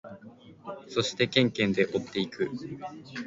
そしてケンケンで追っていく。